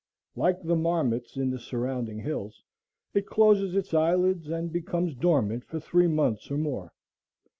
Like the marmots in the surrounding hills, it closes its eye lids and becomes dormant for three months or more.